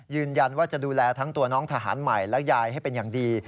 ยืนยันว่าจะดูแลทั้งตัวน้องทหารใหม่และยายให้เป็นอย่างดี